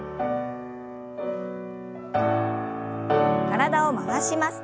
体を回します。